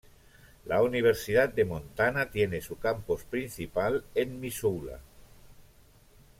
La Universidad de Montana tiene su campus principal en Missoula.